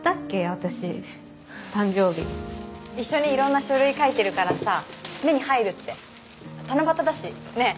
私誕生日一緒に色んな書類書いてるからさ目に入るって七夕だしねえ？